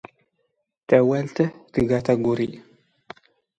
ⵜⴰⵡⴰⵍⵜ ⵜⴳⴰ ⵜⴰⴳⵓⵔⵉ